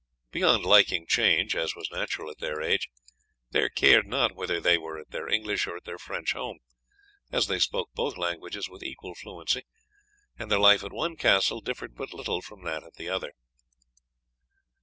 Beyond liking change, as was natural at their age, they cared not whether they were at their English or at their French home, as they spoke both languages with equal fluency, and their life at one castle differed but little from that at the other.